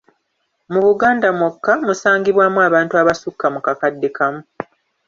Mu Buganda mwokka, musangibwaamu abantu abasukka mu kakadde kamu.